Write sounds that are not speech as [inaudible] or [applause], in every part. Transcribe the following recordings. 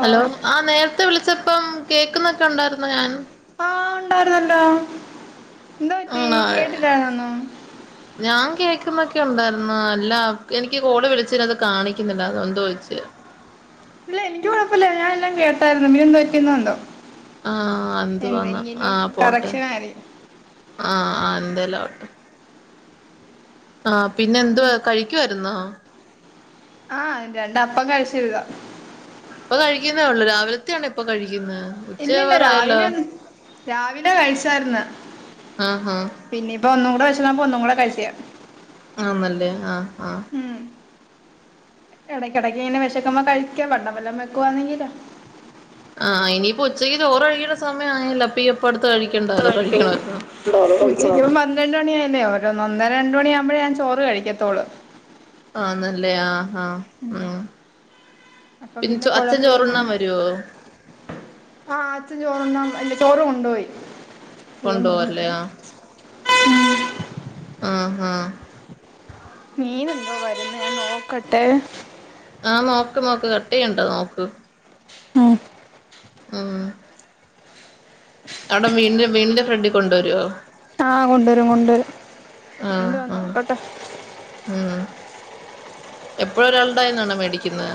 Hello ആ നേരത്തെ വിളിച്ചപ്പം കേക്ക്ന്നൊക്കെ ഉണ്ടായിരുന്നോ ഞാൻ ണ്ടായിരുന്നല്ലോ എന്താ പറ്റി ആണോ കേട്ടില്ലായിരുന്നോ ക്കുന്നൊക്കെ ഉണ്ടാര്ന്ന് അല്ല എനിക്ക് കോള് വിളിച്ചിലത് കാണിക്കുന്നില്ല അതന്തോയ്ച്ച് ഇല്ല എനിക്ക് കൊഴപ്പല്ല ഞാൻ എല്ലാം കേട്ടാരുന്നു പിന്നെ എന്തുപറ്റി ന്നോഎന്തോ ആഹ് എന്തുവാന്ന ആഹ് പോട്ടെ കറക്ഷൻ ആയിരിക്കും ആഹ് എന്തേലോവട്ടെ ആ പിന്നെ എന്തുവാ കഴിക്കുവാരുന്നോ ആഹ് രണ്ട് അപ്പം കഴിച്ച് [unintelligible] ഇപ്പൊ കഴിക്കുന്നേ ഉള്ളൂ രാവിലത്തെയാണോ ഇപ്പൊ കഴി ക്ക്ന്ന് ഇല്ലില്ല ഉച്ചയാവാറായല്ലോ രാവിലെ ഒന്നും രാവിലെ കഴിച്ചാര്ന്ന് ആഹാ പിന്നെ ഇപ്പം ഒന്നും കൂടെ വെശ ന്നപ്പോ ഒന്നും കൂടെ കഴിച്ചയാ ആന്നല്ലേ ആഹ് ആ എടക്കെടക്ക് ഇങ്ങനെ വെശക്കുമ്പോ കഴിക്കാം വണ്ണം വല്ലോം വെക്കുവാന്നെങ്കിലോ ആഹ് ഇനിയിപ്പോ ഉച്ചയ്ക്ക് ചോറ്കഴിക്കേണ്ട സമയം ആയല്ലോ അപ്പ ഈ അപ്പട് കഴിക്കണ്ടാലൊ കഴിക്കണാരുന്നോ ഉച്ചയ്ക്കും പന്ത്രണ്ട് മണിയായേനെ ഓരോന്ന് ഒന്നര രണ്ട് മണിയാവുമ്പഴേ ഞാൻ ചോറ് കഴിക്കത്തൊള്ളൂ ആ നല്ലെയാ ആഹ് ഉം അപ്പം പിന് പിന്നെ ചൊ അച്ഛൻ ചോറുണ്ണാൻ കുഴപ്പമില്ല വരോ ച്ഛന് ചോറുണ്ണാന് വരില്ല ചോറ് കൊണ്ടോയി അയ്യോ മീൻ കൊണ്ടോവല്ലെ വരുന്നു ആ ആഹ് ആഹ് മീൻ എന്തോ വരുന്ന് ഞാൻ നോക്കട്ടെ. ആഹ് നോക്ക് നോക്ക് കട്ട് ചെയ്യണ്ടാ നോക്ക്. ഉം ഉം അവിടെ വീടിന്റെ വീടിന്റെഫ്രണ്ടിൽ കൊണ്ടുവരുവോ? ആ കൊണ്ടുവരും കൊണ്ട് വരും ആഹ് എന്തുവാന്ന് ആഹ് നോക്കട്ടെ. ഉം എപ്പഴും ഒരാൾടയ്യിന്നാണോ മേടിക്കുന്നെ?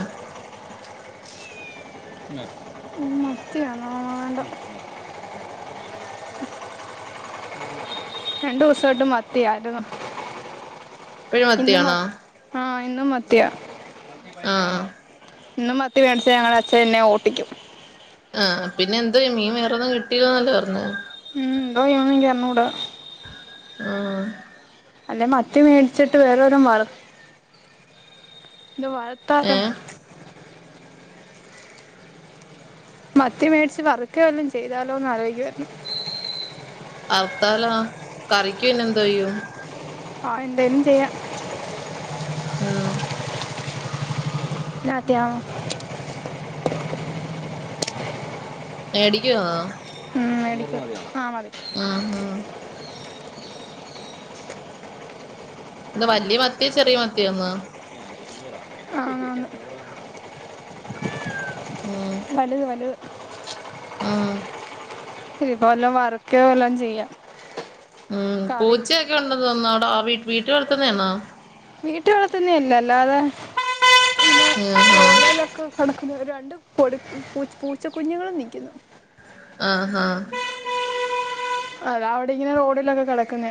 മത്തിയാണോ വേണ്ട രണ്ടു ദിവസായിട്ട് മ ത്തിയാരുന്നു എപ്പഴും ഇന്ന് മ മത്തിയാണോ ആ ഇന്നും മത്തിയാ. ആഹ് ഇന്നും മത്തി മേടിച്ച ഞങ്ങള ച്ച എന്നെ ഓട്ടിക്കും. ആ ആ പിന്നെ എന്തോയ്യും മീൻ വേറൊന്നും കിട്ടീല്ലന്നല്ലേ പർഞ്ഞത്. ഉം എന്തോയ്യോന്നെനിക്കർഞ്ഞൂടാ. ആ അല്ലെ മത്തി മേടിച്ചിട്ട് വേറെലോം വറ് ദ വയത്താക്ക ഏഹ് മത്തി മേടിച്ച് വർക്കെ വല്ലോം ചെയ്താലോന്ന് ആലോയിക്കുവാര്ന്നു. [unintelligible] കറിക് പിന്നെ എന്തോയ്യും ആ എന്തേലും ചെയ്യാം ഉം [unintelligible] മേടിക്കുവാന്നോ ഉമ് മേടിക് വാ ആ മതി ഉം ഉം എന്താ വല്യ മത്തി ചെറിയ മത്തിയാ ന്നാ ആന്നാന്ന് ഉം വല്ത് വല്ത് ഉം ഇതിപ്പോ വല്ലോം വറക്കേ വല്ലോ ചെയ്യാം ഉം കറി പൂച്ചയെക്കെ ഉണ്ടന്ന് തോന്ന് അവിടെ ആ വീ വീട്ടി വളത്തുന്നയാന്നോ വീട്ടി വളത്ത്ന്ന അല്ല അല്ലാതെ പിന്നെ ആഹാ ഓടയിലൊക്കെ കിടക്കുന്ന രണ്ട് കൊട്ക്ക് പൂച് പൂച്ചകുഞ്ഞുങ്ങളും നിക്ക്ന്ന് ആ ഹാ അത അവിടെ ഇങ്ങനെ റോഡിലൊക്കെ കെടക്കുന്ന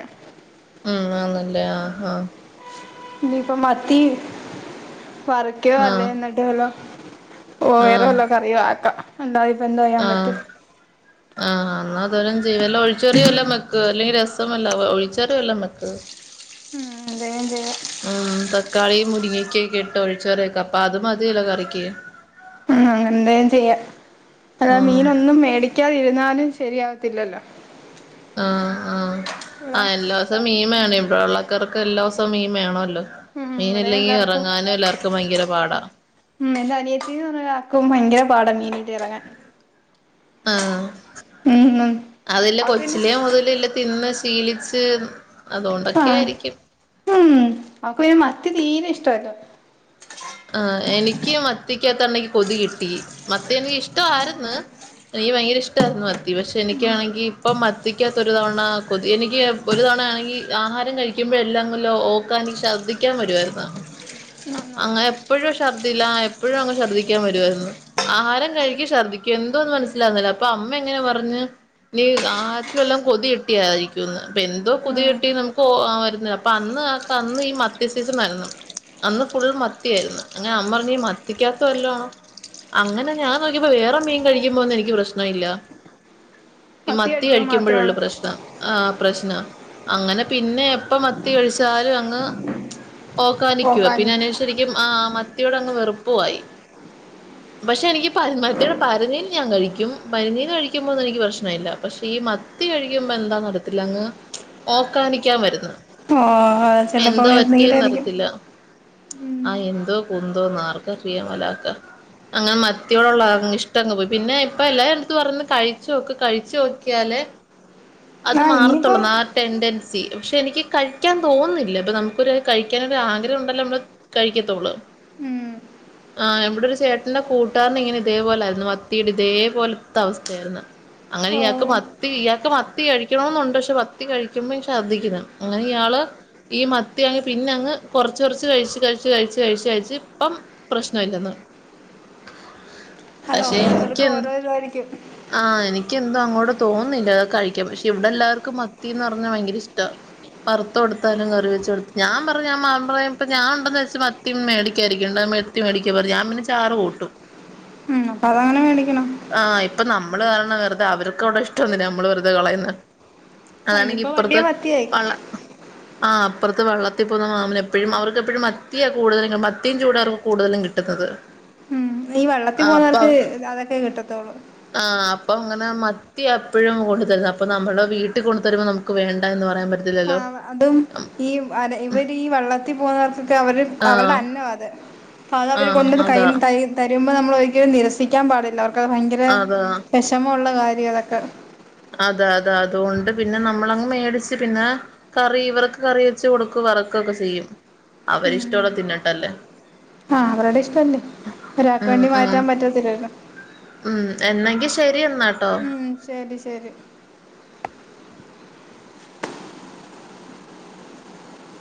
ഉം ആന്നല്ലേ ആ ഹാ ഇനിപ്പ മത്തി വറ്ക്യോ അല്ലേ ആഹ് ന്നിട്ടേ ഒള്ളു ഓ വേറെ ആഹ് വല്ലോ കറിയോ ആക്കാ രണ്ടായി എന്തോയ്യാൻ പറ്റും ആ അന്നാ തുവലെ ചെയ് വല്ല ഒഴിച്ചെറി വല്ലാം വെക്ക് അല്ലെങ്കിൽ രസമല്ല ഒഴിച്ചെറി വല്ല വെക്ക് ഉമ് എന്തേലും ചെയ്യാം ഉം തക്കാളിയ മുരിങ്ങക്കൊക്കെ ഇട്ട് ഒഴിച്ചരൊക്കെ അപ്പൊ അത് മതി യല്ലോ കറിക്ക് ആ അങ്ങനെന്ത ചെയ്യ അതാ ഉം മീന ഒന്നും മേടി ടിക്കതിരുന്നാലും ശരിയാവത്തില്ലല്ലോ ആഹ ആഹ ആ ഇവിടെ എല്ലാ സം മീ മാണെ വള്ളക്കാർക്ക് എല്ലാ സംമീൻ വേണല്ലോ ഉം ഇവിടെ മീൻല്ലെങ്കി എല്ലാർക്കും ഇറങ്ങാനും എല്ലാർക്കും ഭയങ്കര പാടാ ഉ എൻ്റെ അനിയത്തിക്ക് ആക്കും ഭയങ്കര പാടാ മീൻ കിട്ടിയാലൊഇറങ്ങാൻ ആഹ ഉം അതല്ല അവക്ക് പിന്നെ കൊച്ചിലെ മുതലല്ല തിന്ന് പി ലീ ട്സ് അതുകൊണ്ടൊക്കെയ ആഹ് ആയിരിക്കും ഉം അപ്പപിന്നെ മത്തി തീരെ ഇഷ്ടല്ല ആ എനിക്ക് മത്തിക്കാത്താണെക്ക് കൊതി കിട്ടി എനിക്ക് ഇഷ്ടം ആയിരുന്ന് എനിക്ക് ഭയങ്കര ഇഷ്ടമായിരുന്നു മത്തി പക്ഷെ എനിക്കാണെങ്കി ഇപ്പ മത്തിക്കകത്തൊ ഒരു തവണ കൊതി എനിക്ക് ഒരു തവണ ആണെങ്കിൽ ആഹാരം കഴിക്കുമ്പോഴ എല്ലാംങ്കല്ലാം ഓക്കാൻ എനിക്ക് ശ്രദ്ധിക്കാൻ വരുവായിരുന്നു അങ്ങനെ എപ്പഴു ശർദില്ല എപ്പഴുങ്ങനെ ശർദിക്കാൻവരോയിരുന്ന് അഹാരം കഴിക്കും ശർദിക്കും എന്തോന്ന് മനസ്സിലാവുന്നില്ല അപ്പോ അമ്മങ്ങനെ പറഞ്ഞ് നീ അഹാരത്തില് വല്ല കൊതി കിട്ടിയായിരിക്കുന്ന് എന്ത് കൊതി ഉം കിട്ടിന്ന് എനിക്ക് ഓർമ വരുന്നില്ല അന്ന് അന്ന് ഈ മത്തി സിസണായിര്ന്ന് അന്ന് ഫള് മത്തിയായിരുന്നു അങ്ങനെ അമ്മ പറഞ്ഞ മത്തിക്കാത്ത വല്ല ആണോ അങ്ങനെ ഞാൻ നോക്കിയപ്പോ വേറെ മീൻ കഴിക്കുമ്പോന്നന്ന് എനിക്ക് പ്രശ്ന ഇല്ല ഈ മത്തി കഴിക്കുമ്പോ മാത്രേ കഴിക്കുമ്പോഴള്ളൂ ഉള്ളൂ പ്രശ്നം ആഹ പ്രശ്ന അങ്ങനെ പിന്നെ എപ്പ മത്തി കഴിച്ചാലും അങ്ങ് ഓകാനിക്കുവ ഓക്കാനി പിന്നെ അ ശരിക്കും ആ മ മത്തിയോടെ അങ്ങ് വെറുപ്പമായി പക്ഷെ എനിക്ക് പ മത്തിടെ പരിനീൽ ഞാൻ കഴിക്കും പരിനീൽ കഴിക്കുമ്പോന്നും എനിക്ക് പ്രശ്ന ഇല്ല പക്ഷെ ഈ മത്തി കഴിക്കുമ്പോ എന്താ നടത്തില്ല അങ്ങ് ഓക്കാനിക്കാൻ വർന്ന് ഓ അ ചിലപ്പോ വരുന്നെങ്കിലായിരിക്കും അറിയത്തില്ല ആ എന്തോ കുന്തോന്നാർക്കറിയ മലാക്ക അങ്ങനെ മത്തിയോടുള്ളങ്ങ് ഇഷ്ട അങ് പോയി പിന്നെ ഇപ്പ എല്ലാ എത്ത് പറഞ്ഞു കഴിച്ച നോക്ക കഴിച്ചു നോക്കിയാല് അത് ആഹ് ഇനിയിപ്പം മാറത്തൊള്ളൊന്ന് ആ ടെൻഡൻസി ക്ഷെ എനിക്ക് കഴിക്കാൻ തോന്നുന്നില്ലട്ടൊ നമുക്കൊരു കഴിക്കാൻ ഒരു ആഗ്രഹം ഉണ്ടല്ലോ നമ്മള് കഴിക്കത്തുള്ളൂ ഉം ആ ഇവിടെ ഒരു ചേട്ടന്റെ കൂട്ടുകാരന് ഇങ്ങനെ ഇതേപോലായിരുന്നു മത്തിയുടെ ഇതേപോലെത്തെ അവസ്ഥയായിരുന്നു അങ്ങനെ ഇയാൾക്ക് ഓഹ് മത്തി ഇയാൾക്ക് മത്തി കഴിക്കണന്നുണ്ട് പക്ഷെ മത്തി കഴിക്കുമ്പോ ശർദ്ധിക്കുന്നു അങ്ങനെ ഇയാള് ഈ മത്തി അങ്ങ് പിന്നെ അങ്ങ് കൊറച്ച് കൊറച്ച് കഴിച്ച കഴിച്ചു കഴിച്ചു കഴിച്ചു കഴിച്ച് ഇപ്പം പ്രശ്ന ഇല്ലെന്ന് അത് പക്ഷെ എനിക്ക് ഓരോരുത്തർക്കും എന്ത് ഓരോ ഇതായിരിക്കും ആ എനിക്ക് എനിക്കെന്തോ അങ്ങോട്ട് തോന്നുന്നില്ല കഴിക്കാ പക്ഷെ ഇവിടെ എല്ലാവർക്കും മത്തിന്ന് പറഞ്ഞാ വയങ്കര ഇഷ്ട വറുത്ത് കൊടുത്താലും കറി വെച്ച്കൊടുത്ത് ഞാൻ പറഞ്ഞു [unintelligible] ഞാൻ [unintelligible] വെച്ച് മത്തി മേടിക്കായിരിക്കണ്ട മത്തി മേടിക്കാ പറഞ്ഞ ഞാൻ പിന്നെ ചാറ് കൂട്ടും. ഉം അപ്പതങ്ങനെ മേടിക്കണം ആഹ് ഇപ്പം നമ്മള് കാരണം വെറുതെ അവർക്ക് അവിടെ ഇഷ്ടൊന്നില്ല നമ്മള് വെറുതെ കളയുന്നെ അതാണെങ്കി അയിനിപ്പോ വലിയ മത്തിയായി ആ അപ്പുറത്ത് വള്ളത്തിൽ പോകുന്ന മാമന് എപ്പഴും അവർക്കെപ്പഴും മത്തിയാ കൂടുതലും മത്തിയും [unintelligible] അവർക്ക് കൂടുതലും കിട്ടുന്നത് ഈ വെള്ളത്തിൽ ആഹ് പോകുന്നവർക്ക് അപ്പൊ അതൊക്കെ കിട്ടത്തൊള്ളൂ അപ്പങ്ങനെ മത്തിയാ എപ്പഴും കൂടുതല് അപ്പം നമ്മളെ വീട്ടി കൊണ്ടു തരുമ്പം നമുക്ക് വേണ്ട എന്ന് പറയാൻ പറ്റ ആ അതും ഈ അര ഇവരീ വള്ളത്തി പോ [unintelligible] അവരുടെ ആഹ് അന്നവ അത് അപ്പത് അവര് ആഹ് കൊണ്ട് അതാ കയ്യിന്ന് ത തരും നമ്മള് ഒരിക്കലും നിരസിക്കാൻ പാടില്ല ഭയങ്കര അതാ വെഷമുള്ള കാര്യ [unintelligible] അത അത അതുകൊണ്ട് പിന്നെ നമ്മളങ്ങ് മേടിച്ച് പിന്നെ കറി ഇവർക്ക് കറി വെച്ച് കൊടുക്കും വറക്കൊക്കെ ചെയ്യും അവരിഷ്ടമുള്ള തിന്നട്ടല്ലേ ആ അവരോടെ ഇഷ്ടല്ലേ ഒരാൾക്ക് ഉം വേണ്ടി ഉം മാറ്റാൻ പറ്റത്തില്ലല്ലോ ഉം എന്നെങ്കി ശരി എന്നാട്ടോ ഉം ശരി ശരി